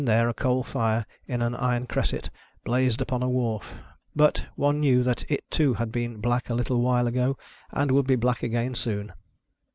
[Conducted by a coal fire in an iron cresset blazed upon a wharf ; but, one knew that it too had been black a little while ago, and would be black again soon.